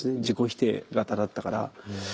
自己否定型だったから。